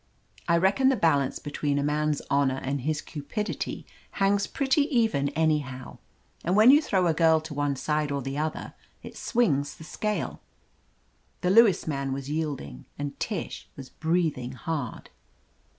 I reckon the balance between a man's honor and his cupidity hangs pretty even any how, and when you throw a girl to one side or the other it swings the scale. The Lewis man was yielding and Tish was breathing hard.